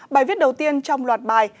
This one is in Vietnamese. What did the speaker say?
bài viết đầu tiên trong loạt bài